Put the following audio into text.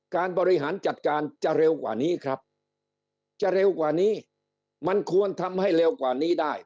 การบริหารจัดการจะเร็วกว่านี้ครับจะเร็วกว่านี้มันควรทำให้เร็วกว่านี้ได้